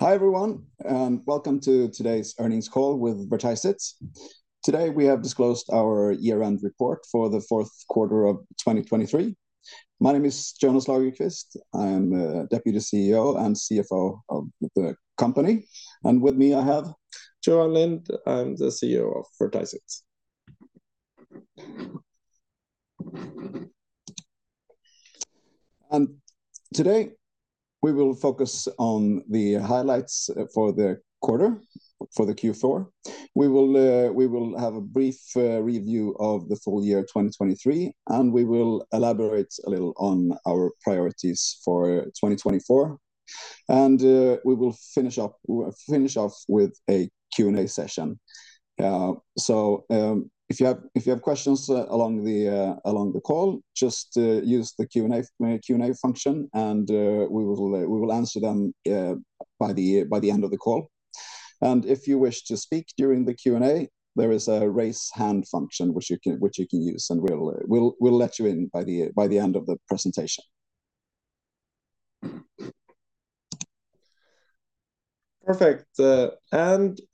Hi everyone, and welcome to today's earnings call with Vertiseit. Today we have disclosed our year-end report for the fourth quarter of 2023. My name is Jonas Lagerqvist. I am Deputy CEO and CFO of the company, and with me I have. Johan Lind. I'm the CEO of Vertiseit. Today we will focus on the highlights for the quarter, for Q4. We will have a brief review of the full-year 2023, and we will elaborate a little on our priorities for 2024. We will finish up, finish off with a Q&A session. So, if you have questions along the call, just use the Q&A function, and we will answer them by the end of the call. And if you wish to speak during the Q&A, there is a raise hand function which you can use, and we'll let you in by the end of the presentation. Perfect.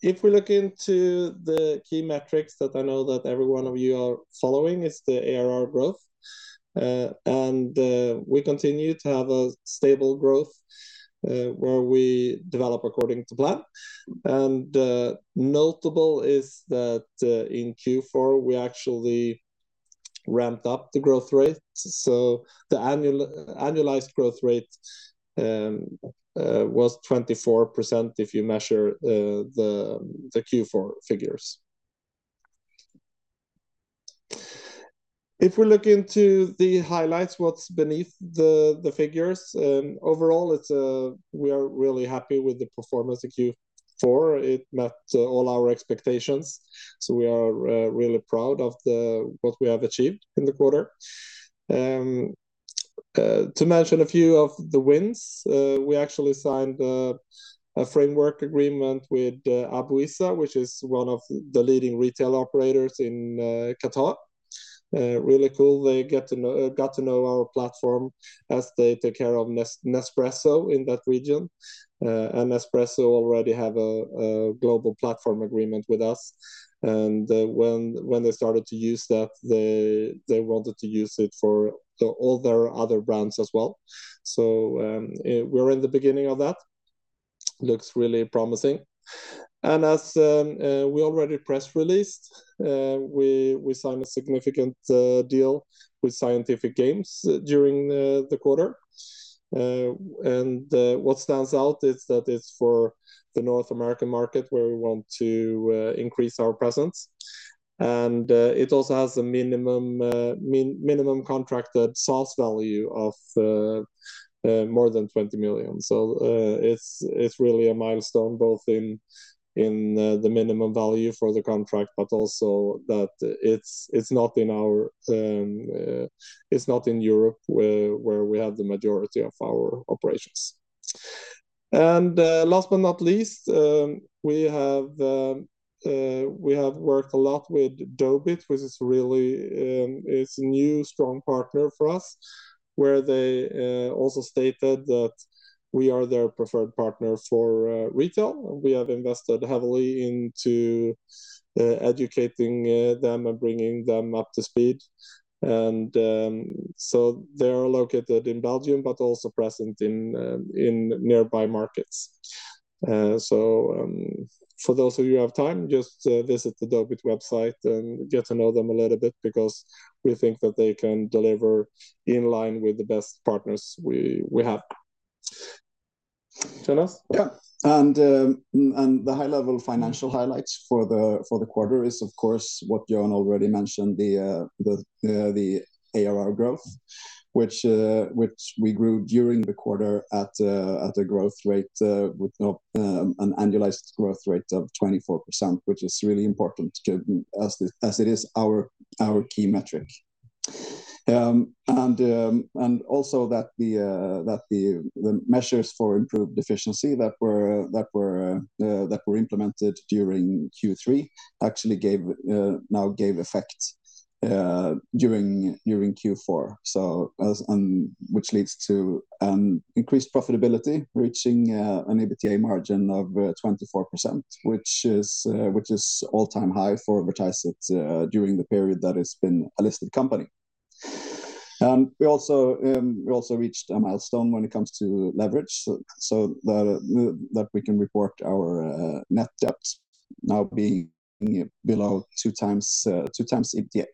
If we look into the key metrics that I know that every one of you are following, it's the ARR growth. We continue to have a stable growth, where we develop according to plan. Notable is that in Q4 we actually ramped up the growth rate. So the annual annualized growth rate was 24% if you measure the Q4 figures. If we look into the highlights, what's beneath the figures, overall it's we are really happy with the performance of Q4. It met all our expectations. So we are really proud of what we have achieved in the quarter. To mention a few of the wins, we actually signed a framework agreement with Abu Issa, which is one of the leading retail operators in Qatar. Really cool. They got to know our platform as they take care of Nespresso in that region. Nespresso already have a global platform agreement with us. And when they started to use that, they wanted to use it for all their other brands as well. So we're in the beginning of that. Looks really promising. And as we already press released, we signed a significant deal with Scientific Games during the quarter. And what stands out is that it's for the North American market where we want to increase our presence. And it also has a minimum contracted source value of more than $20 million. So it's really a milestone both in the minimum value for the contract, but also that it's not in our, it's not in Europe, where we have the majority of our operations. Last but not least, we have worked a lot with Dobit, which is really, it's a new strong partner for us, where they also stated that we are their preferred partner for retail. We have invested heavily into educating them and bringing them up to speed. So they are located in Belgium, but also present in nearby markets. For those of you who have time, just visit the Dobit website and get to know them a little bit because we think that they can deliver in line with the best partners we have. Jonas? Yeah. And the high-level financial highlights for the quarter is, of course, what Johan already mentioned, the ARR growth, which we grew during the quarter at an annualized growth rate of 24%, which is really important as it is our key metric. And also that the measures for improved efficiency that were implemented during Q3 actually gave effect now during Q4. So which leads to an increased profitability, reaching an EBITDA margin of 24%, which is an all-time high for Vertiseit during the period that it's been a listed company. And we also reached a milestone when it comes to leverage, so that we can report our net debt now being below 2x EBITDA.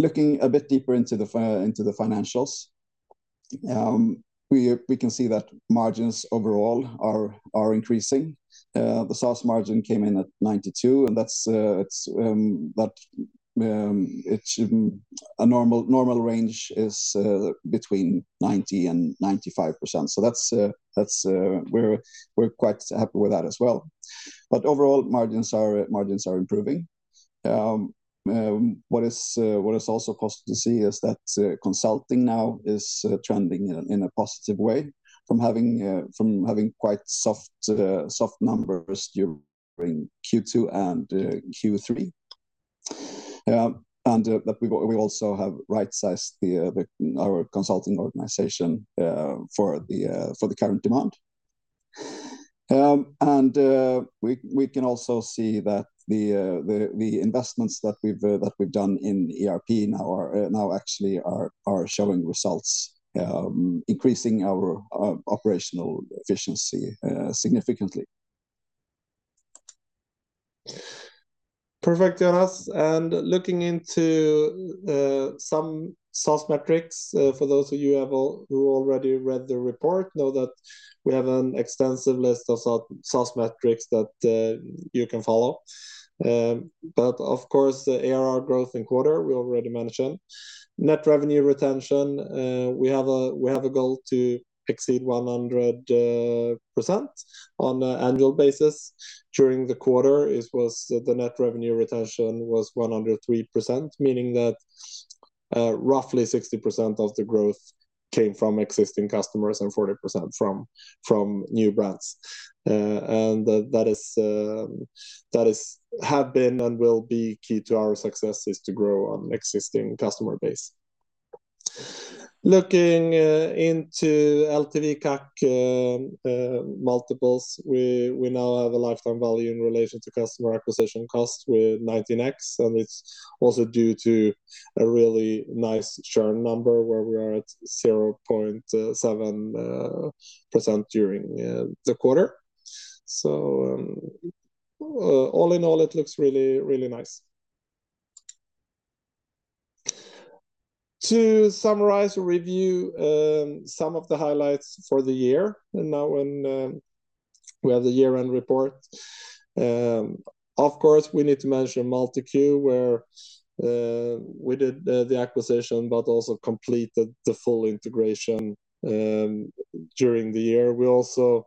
Looking a bit deeper into the financials, we can see that margins overall are increasing. The gross margin came in at 92%, and that's, it's in a normal range between 90%-95%. So that's, we're quite happy with that as well. But overall margins are improving. What is also positive to see is that consulting now is trending in a positive way from having quite soft numbers during Q2 and Q3. And we also have right-sized our consulting organization for the current demand. And we can also see that the investments that we've done in ERP now are actually showing results, increasing our operational efficiency significantly. Perfect, Jonas. Looking into some core metrics, for those of you who have already read the report know that we have an extensive list of core metrics that you can follow. But of course, the ARR growth in the quarter, we already mentioned. Net Revenue Retention, we have a goal to exceed 100% on an annual basis. During the quarter, it was the Net Revenue Retention was 103%, meaning that roughly 60% of the growth came from existing customers and 40% from new brands. And that is have been and will be key to our success is to grow on existing customer base. Looking into LTV/CAC multiples, we now have a lifetime value in relation to customer acquisition costs with 19x, and it's also due to a really nice churn number where we are at 0.7% during the quarter. So, all in all, it looks really, really nice. To summarize or review some of the highlights for the year now when we have the year-end report, of course, we need to mention MultiQ where we did the acquisition but also completed the full integration during the year. We also,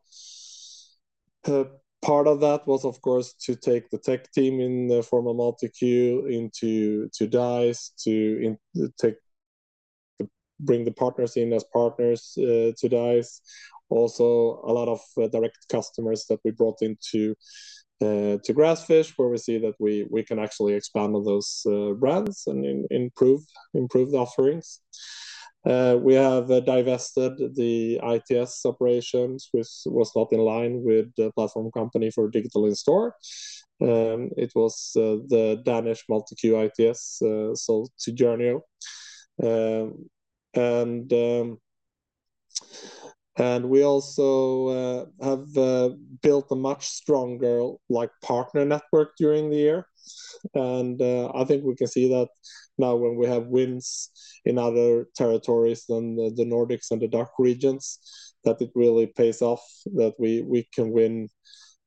part of that was, of course, to take the tech team in the form of MultiQ into Dise, to bring the partners in as partners to Dise. Also, a lot of direct customers that we brought into Grassfish where we see that we can actually expand on those brands and improve the offerings. We have divested the ITS operations, which was not in line with the platform company for Digital in Store. It was the Danish MultiQ ITS sold to Journeo. And we also have built a much stronger, like, partner network during the year. And I think we can see that now when we have wins in other territories than the Nordics and the DACH regions that it really pays off that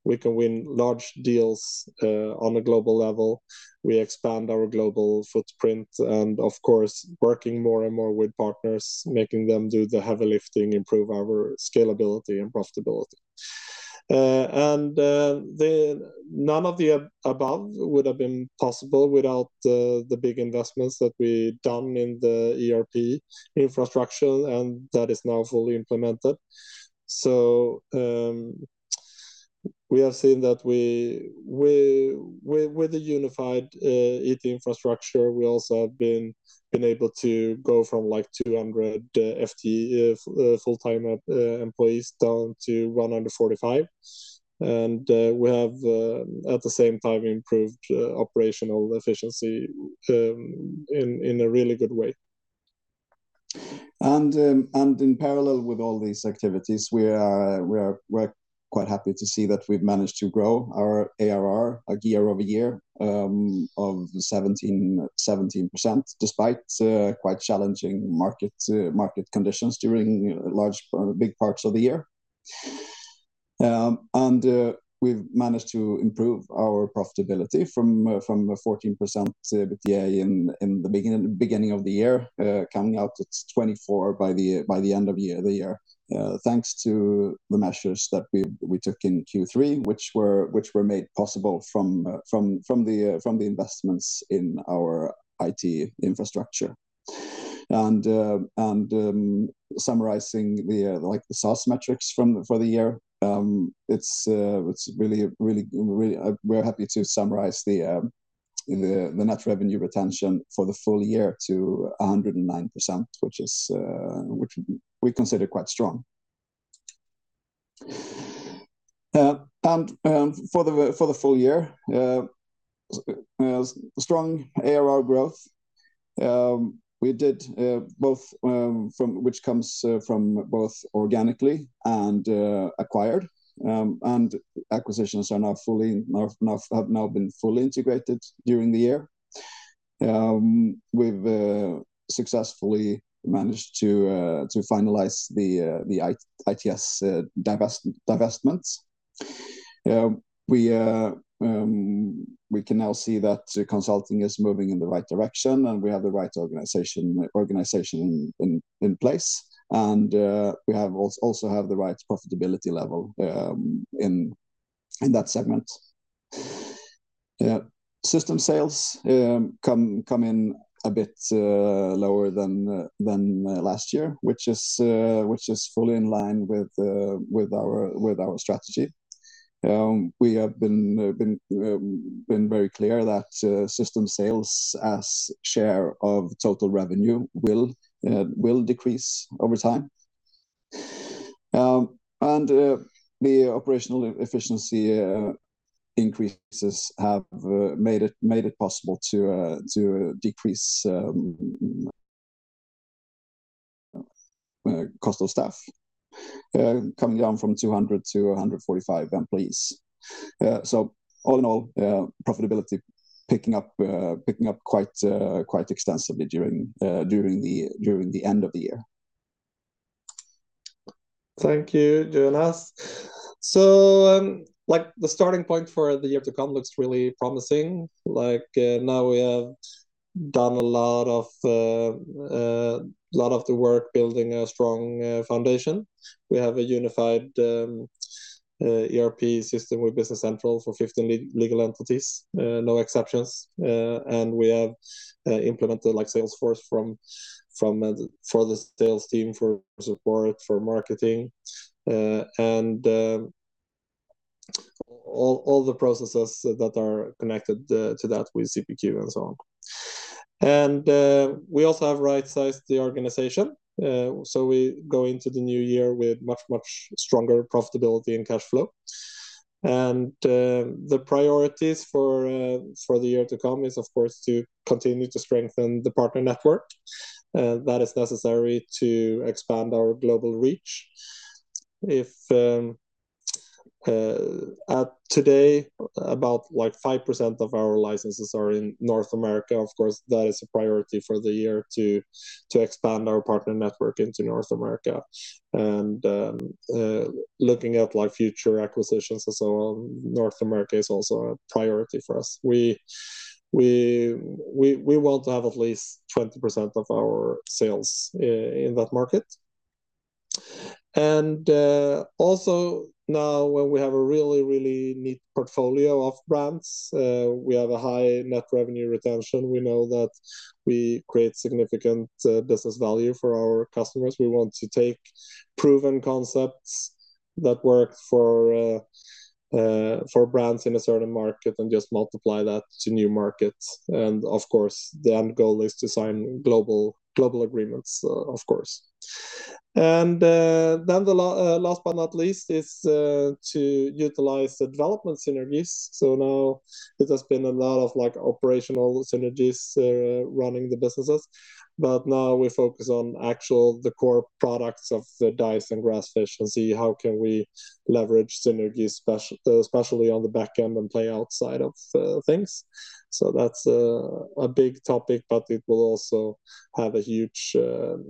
we can win large deals on a global level. We expand our global footprint and, of course, working more and more with partners, making them do the heavy lifting, improve our scalability and profitability. And then none of the above would have been possible without the big investments that we done in the ERP infrastructure, and that is now fully implemented. So, we have seen that with the unified IT infrastructure, we also have been able to go from like 200 FTE full-time employees down to 145. And we have at the same time improved operational efficiency in a really good way. In parallel with all these activities, we are quite happy to see that we've managed to grow our ARR year over year of 17% despite quite challenging market conditions during large parts of the year. We've managed to improve our profitability from a 14% EBITDA in the beginning of the year, coming out at 24% by the end of the year, thanks to the measures that we took in Q3, which were made possible from the investments in our IT infrastructure. Summarizing, like, the core metrics for the year, we're happy to summarize the net revenue retention for the full-year to 109%, which we consider quite strong. For the full-year, strong ARR growth. We did both, which comes from both organically and acquired. And acquisitions are now fully integrated during the year. We've successfully managed to finalize the ITS divestments. We can now see that consulting is moving in the right direction, and we have the right organization in place. And we also have the right profitability level in that segment. System sales come in a bit lower than last year, which is fully in line with our strategy. We have been very clear that system sales as share of total revenue will decrease over time. The operational efficiency increases have made it possible to decrease cost of staff, coming down from 200 to 145 employees. So all in all, profitability picking up quite extensively during the end of the year. Thank you, Jonas. So, like, the starting point for the year to come looks really promising. Like, now we have done a lot of, a lot of the work building a strong foundation. We have a unified ERP system with Business Central for 15 legal entities, no exceptions. And we have implemented, like, Salesforce for the sales team, for support, for marketing, and all the processes that are connected to that with CPQ and so on. And we also have right-sized the organization. So we go into the new year with much, much stronger profitability and cash flow. And the priorities for the year to come is, of course, to continue to strengthen the partner network. That is necessary to expand our global reach. If, as of today, about, like, 5% of our licenses are in North America, of course, that is a priority for the year to expand our partner network into North America. Looking at, like, future acquisitions and so on, North America is also a priority for us. We want to have at least 20% of our sales in that market. Also now when we have a really, really neat portfolio of brands, we have a high Net Revenue Retention. We know that we create significant business value for our customers. We want to take proven concepts that worked for brands in a certain market and just multiply that to new markets. Of course, the end goal is to sign global agreements, of course. Then the last but not least is to utilize the development synergies. So now it has been a lot of, like, operational synergies, running the businesses. But now we focus on actually the core products of the Dise and Grassfish and see how we can leverage synergies especially on the back end and platform outside of things. So that's a big topic, but it will also have a huge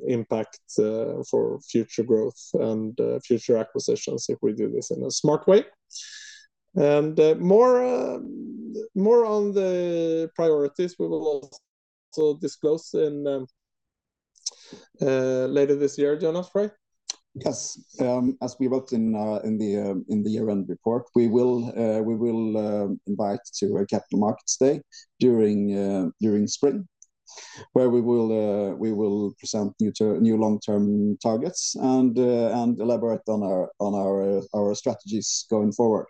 impact for future growth and future acquisitions if we do this in a smart way. And more on the priorities, we will also disclose later this year, Jonas, right? Yes. As we wrote in the year-end report, we will invite to a Capital Markets Day during spring where we will present new long-term targets and elaborate on our strategies going forward.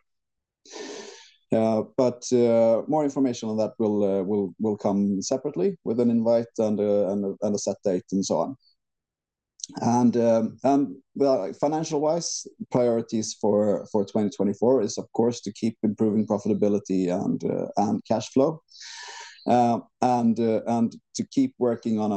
But more information on that will come separately with an invite and a set date and so on. And financial-wise, priorities for 2024 is, of course, to keep improving profitability and cash flow. And to keep working on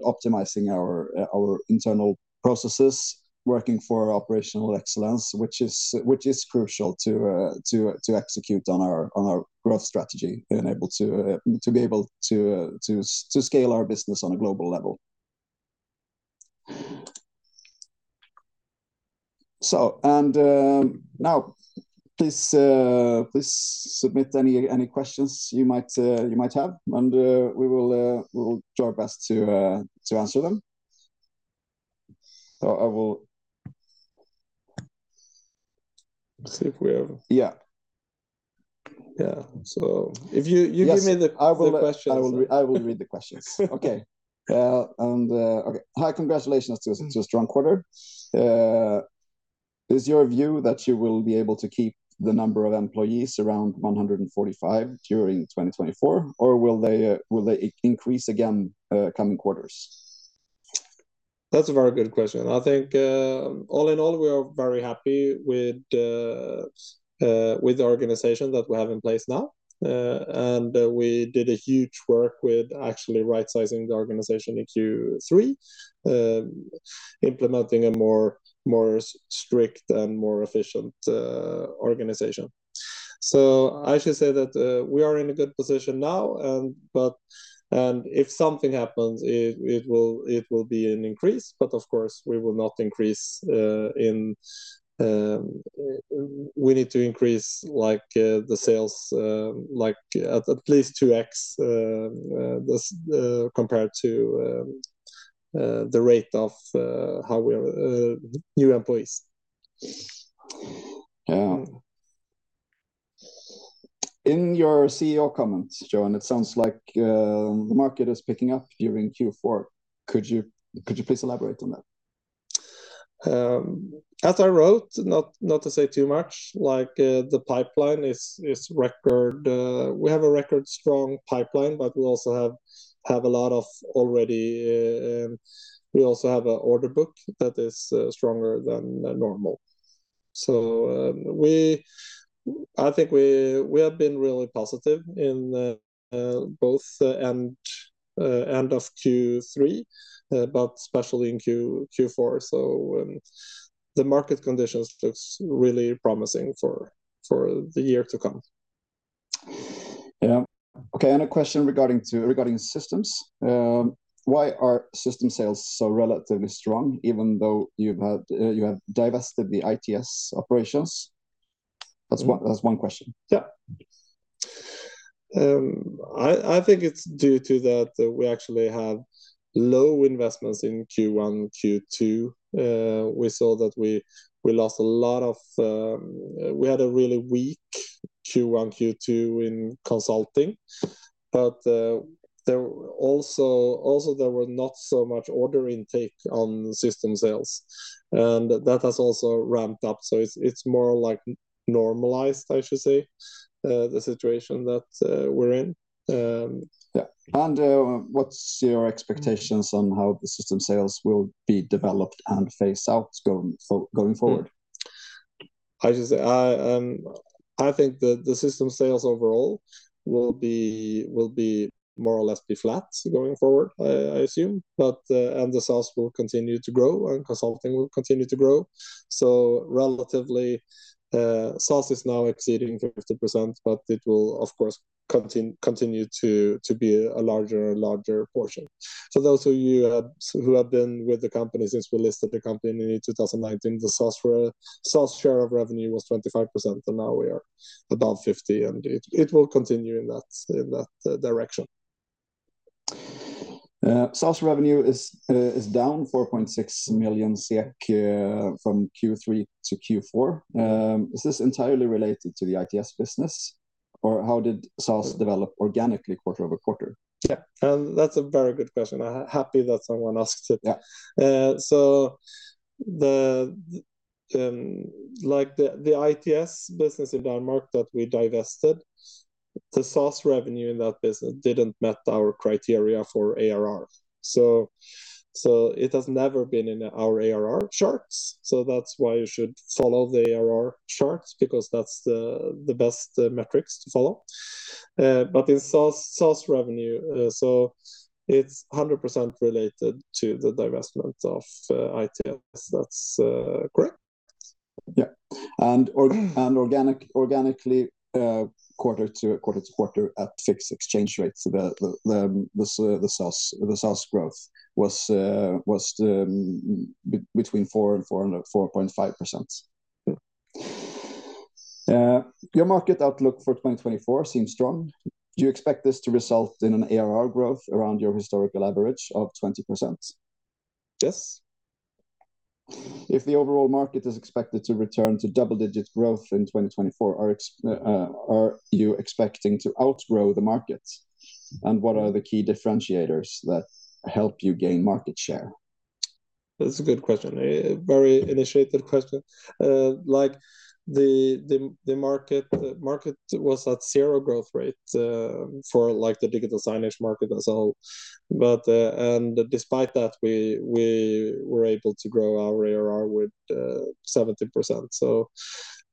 optimizing our internal processes, working for operational excellence, which is crucial to execute on our growth strategy and to be able to scale our business on a global level. So, now please submit any questions you might have, and we will do our best to answer them. So I will. Let's see if we have. Yeah. Yeah. So if you give me the questions. Yes. I will read the questions. Okay. Okay. Hi, congratulations to a strong quarter. Is your view that you will be able to keep the number of employees around 145 during 2024, or will they increase again, coming quarters? That's a very good question. I think, all in all, we are very happy with the organization that we have in place now. We did a huge work with actually right-sizing the organization in Q3, implementing a more strict and more efficient organization. So I should say that we are in a good position now, but if something happens, it will be an increase. But, of course, we will not increase, we need to increase, like, the sales, like, at least 2x this compared to the rate of how we are new employees. Yeah. In your CEO comments, Johan, it sounds like the market is picking up during Q4. Could you please elaborate on that? As I wrote, not to say too much. Like, the pipeline is record strong, we have a record strong pipeline, but we also have a lot already, we also have an order book that is stronger than normal. So, we, I think we have been really positive in both end of Q3, but especially in Q4. So, the market conditions look really promising for the year to come. Yeah. Okay. And a question regarding systems. Why are system sales so relatively strong even though you've had, you have divested the ITS operations? That's one question. Yeah. I think it's due to that we actually have low investments in Q1, Q2. We saw that we had a really weak Q1, Q2 in consulting. But there also were not so much order intake on system sales. And that has also ramped up. So it's more like normalized, I should say, the situation that we're in. Yeah. And, what's your expectations on how the system sales will be developed and phase out going for going forward? I should say I think that the system sales overall will be more or less flat going forward, I assume. But the sales will continue to grow, and consulting will continue to grow. So relatively, sales is now exceeding 50%, but it will, of course, continue to be a larger and larger portion. For those of you who have been with the company since we listed the company in 2019, the sales for sales share of revenue was 25%, and now we are above 50%. And it will continue in that direction. Sales revenue is down 4.6 million SEK, from Q3 to Q4. Is this entirely related to the ITS business, or how did sales develop organically quarter-over-quarter? Yeah. That's a very good question. I'm happy that someone asked it. Yeah. So the like ITS business in Denmark that we divested, the sales revenue in that business didn't met our criteria for ARR. So it has never been in our ARR charts. So that's why you should follow the ARR charts because that's the best metrics to follow. But in sales revenue, so it's 100% related to the divestment of ITS. That's correct. Yeah. Organic, organically, quarter-to-quarter at fixed exchange rates, the sales growth was between 4% and 4.5%. Yeah. Your market outlook for 2024 seems strong. Do you expect this to result in an ARR growth around your historical average of 20%? Yes. If the overall market is expected to return to double-digit growth in 2024, are you expecting to outgrow the market? And what are the key differentiators that help you gain market share? That's a good question. A very initiated question. Like, the market was at zero growth rate for the digital signage market as well. But despite that, we were able to grow our ARR with 70%. So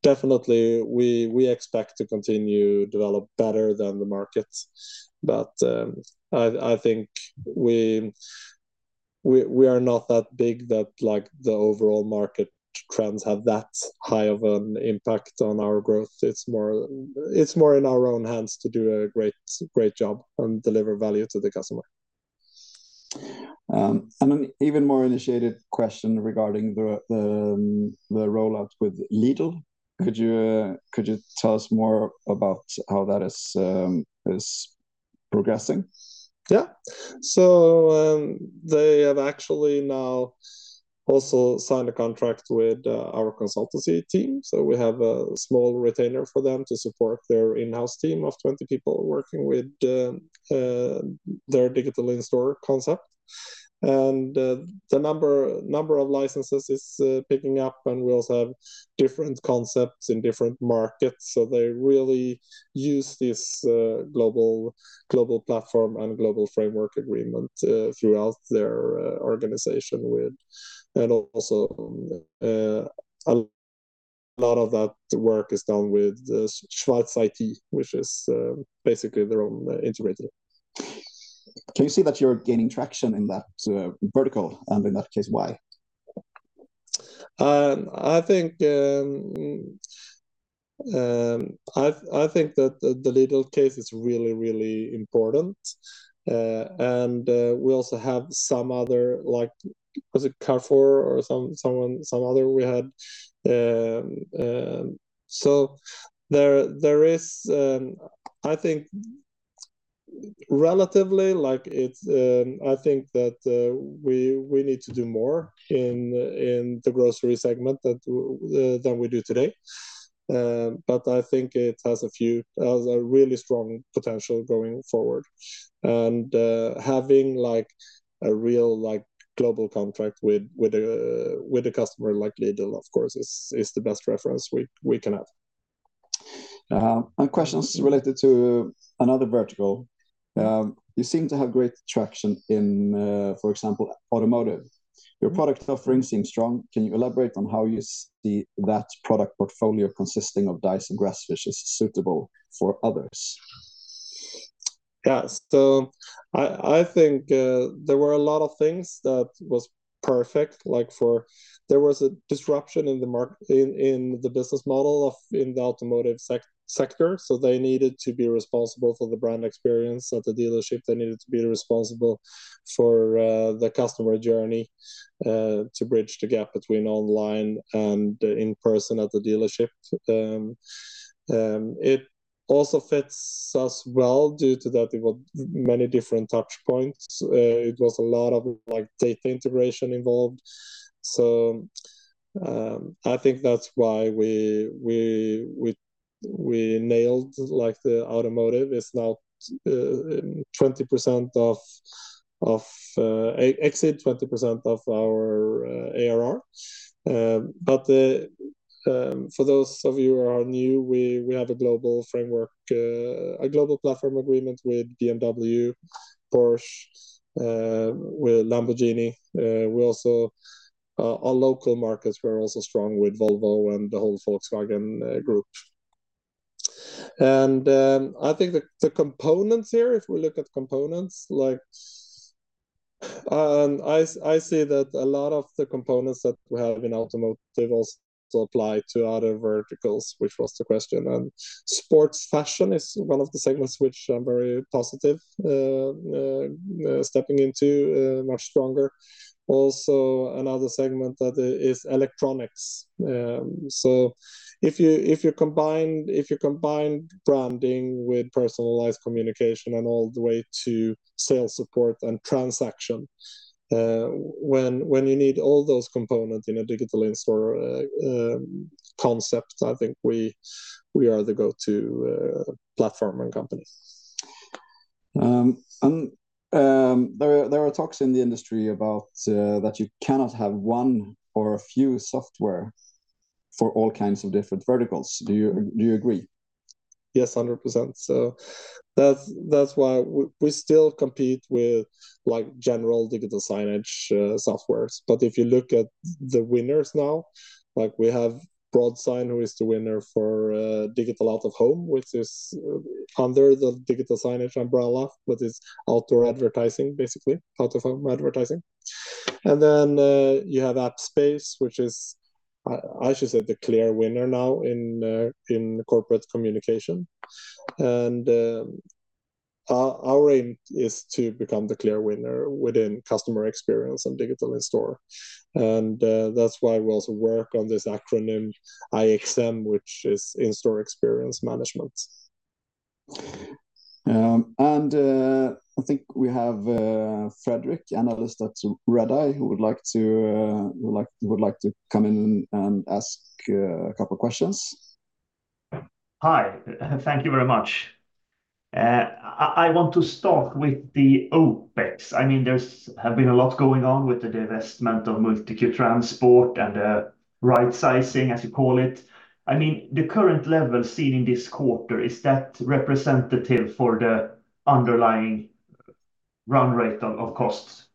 definitely, we expect to continue to develop better than the market. But I think we are not that big that, like, the overall market trends have that high of an impact on our growth. It's more in our own hands to do a great job and deliver value to the customer. An even more initiated question regarding the rollout with Lind. Could you tell us more about how that is progressing? Yeah. So, they have actually now also signed a contract with our consultancy team. So we have a small retainer for them to support their in-house team of 20 people working with their digital in-store concept. And, the number of licenses is picking up, and we also have different concepts in different markets. So they really use this global platform and global framework agreement throughout their organization, and also a lot of that work is done with Schwarz IT, which is basically their own integrator. Can you see that you're gaining traction in that vertical? And in that case, why? I think that the Lidl case is really, really important. And we also have some other, like, was it Carrefour or some, someone, some other we had? So there is, I think relatively, like, it's, I think that we need to do more in the grocery segment than we do today. But I think it has a really strong potential going forward. And having, like, a real, like, global contract with a customer like Lidl, of course, is the best reference we can have. And questions related to another vertical. You seem to have great traction in, for example, automotive. Your product offering seems strong. Can you elaborate on how you see that product portfolio consisting of Dise and Grassfish is suitable for others? Yeah. So I think there were a lot of things that was perfect. Like, there was a disruption in the market in the business model of the automotive sector. So they needed to be responsible for the brand experience at the dealership. They needed to be responsible for the customer journey to bridge the gap between online and in-person at the dealership. It also fits us well due to that it was many different touchpoints. It was a lot of, like, data integration involved. So I think that's why we nailed, like, the automotive. It's now 20% of our ARR. But for those of you who are new, we have a global framework, a global platform agreement with BMW, Porsche, with Lamborghini. We also our local markets were also strong with Volvo and the whole Volkswagen group. I think the components here, if we look at components, like, I see that a lot of the components that we have in automotive also apply to other verticals, which was the question. Sports fashion is one of the segments which I'm very positive, stepping into, much stronger. Also, another segment that is electronics. So if you combine branding with personalized communication and all the way to sales support and transaction, when you need all those components in a digital in-store concept, I think we are the go-to platform and company. There are talks in the industry about that you cannot have one or a few software for all kinds of different verticals. Do you agree? Yes, 100%. So that's why we still compete with, like, general digital signage softwares. But if you look at the winners now, like, we have Broadsign, who is the winner for digital out of home, which is under the digital signage umbrella, but it's outdoor advertising, basically, out-of-home advertising. And then you have Appspace, which is, I should say, the clear winner now in corporate communication. And our aim is to become the clear winner within customer experience and digital in-store. And that's why we also work on this acronym IXM, which is in-store experience management. I think we have Fredrik, analyst at Redeye, who would like to come in and ask a couple of questions. Hi. Thank you very much. I want to start with the OpEx. I mean, there have been a lot going on with the divestment of MultiQ ITS and the right-sizing, as you call it. I mean, the current level seen in this quarter, is that representative for the underlying run rate of costs?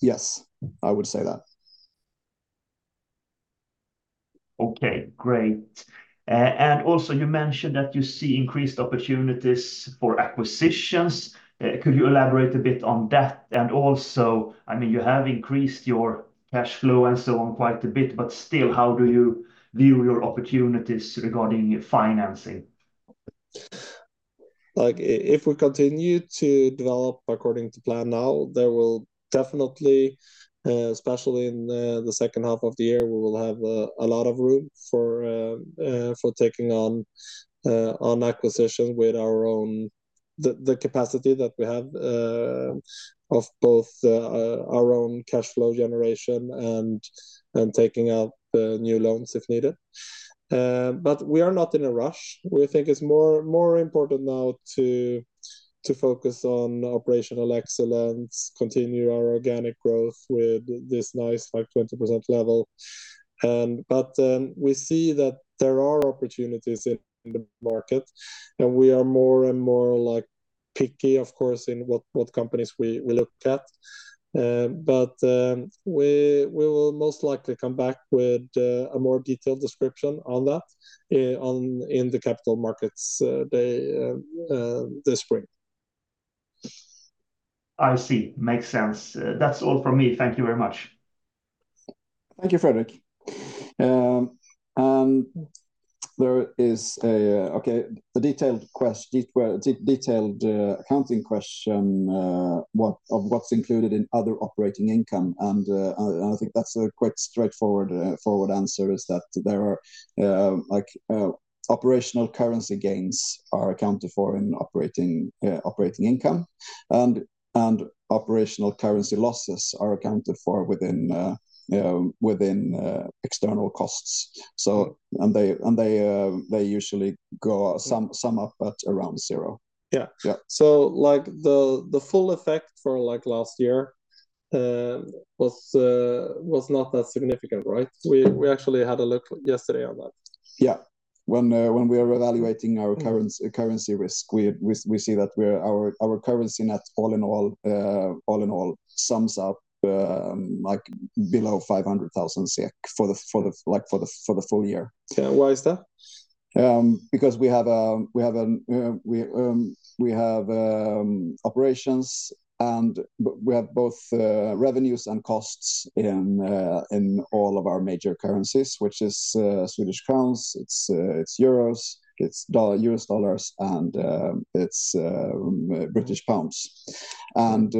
Yes, I would say that. Okay. Great. And also, you mentioned that you see increased opportunities for acquisitions. Could you elaborate a bit on that? And also, I mean, you have increased your cash flow and so on quite a bit, but still, how do you view your opportunities regarding financing? Like, if we continue to develop according to plan now, there will definitely, especially in the second half of the year, we will have a lot of room for taking on acquisition with our own capacity that we have of both our own cash flow generation and taking out new loans if needed. But we are not in a rush. We think it's more important now to focus on operational excellence, continue our organic growth with this nice, like, 20% level. But we see that there are opportunities in the market, and we are more and more, like, picky, of course, in what companies we look at. But we will most likely come back with a more detailed description on that in the capital markets day this spring. I see. Makes sense. That's all from me. Thank you very much. Thank you, Fredrik. There is a detailed accounting question, what's included in other operating income. I think that's a quite straightforward answer, is that there are, like, operational currency gains are accounted for in operating income. Operational currency losses are accounted for within external costs. They usually sum up at around zero. Yeah. Yeah. So, like, the full effect for, like, last year, was not that significant, right? We actually had a look yesterday on that. Yeah. When we are evaluating our currency risk, we see that our currency net, all in all, sums up, like, below 500,000 SEK for the full-year. Yeah. Why is that? Because we have operations, and we have both revenues and costs in all of our major currencies, which is Swedish krona, euros, US dollars, and British pounds. And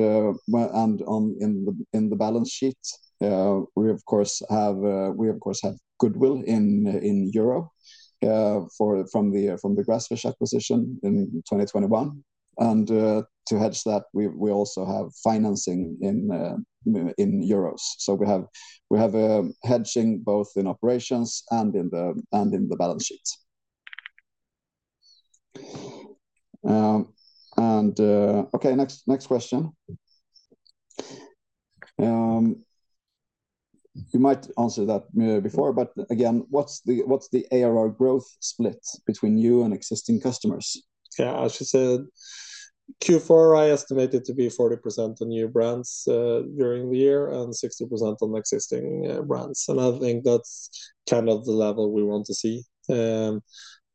when on the balance sheet, we of course have goodwill in Europe from the Grassfish acquisition in 2021. And to hedge that, we also have financing in euros. So we have hedging both in operations and in the balance sheet. Okay, next question. You might have answered that before, but again, what's the ARR growth split between new and existing customers? Yeah. I should say Q4, I estimate it to be 40% on new brands during the year and 60% on existing brands. And I think that's kind of the level we want to see.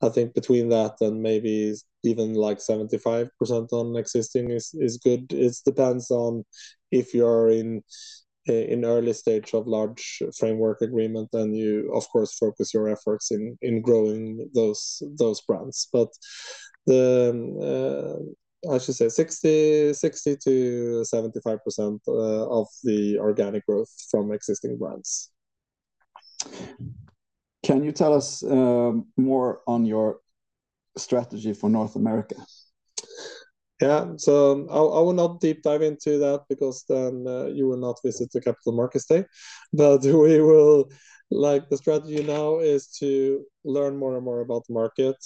I think between that and maybe even, like, 75% on existing is good. It depends on if you are in early stage of large framework agreement, then you, of course, focus your efforts in growing those brands. But I should say 60%-75% of the organic growth from existing brands. Can you tell us more on your strategy for North America? Yeah. So I will not deep dive into that because then, you will not visit the Capital Markets Day. But we will like, the strategy now is to learn more and more about the market.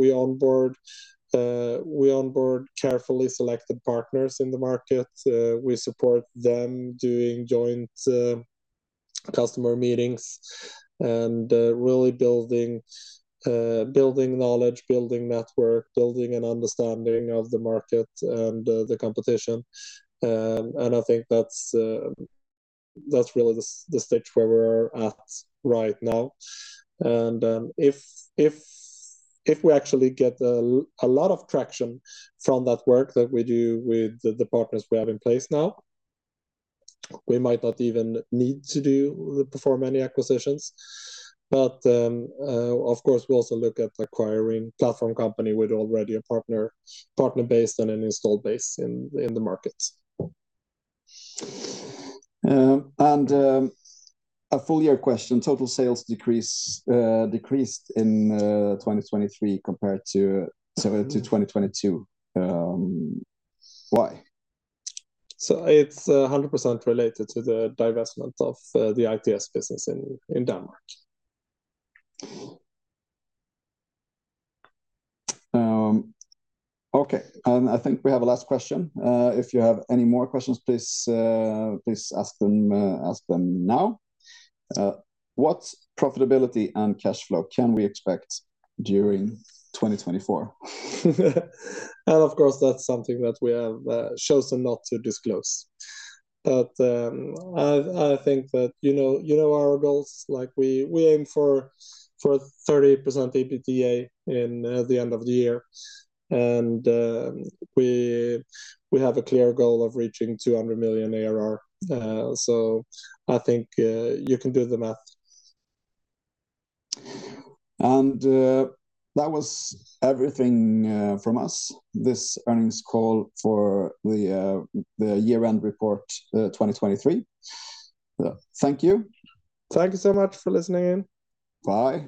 We onboard carefully selected partners in the market. We support them doing joint customer meetings and really building knowledge, building network, building an understanding of the market and the competition. And I think that's really the stage where we are at right now. And if we actually get a lot of traction from that work that we do with the partners we have in place now, we might not even need to perform any acquisitions. But of course, we also look at acquiring platform company with already a partner base and an installed base in the market. A full-year question. Total sales decreased in 2023 compared to 2022. Why? It's 100% related to the divestment of the ITS business in Denmark. Okay. I think we have a last question. If you have any more questions, please, please ask them, ask them now. What profitability and cash flow can we expect during 2024? Of course, that's something that we have chosen not to disclose. I, I think that you know you know our goals. Like, we, we aim for 30% EBITDA in the end of the year. We, we have a clear goal of reaching 200 million ARR. So I think you can do the math. That was everything from us, this earnings call for the year-end report 2023. Thank you. Thank you so much for listening in. Bye.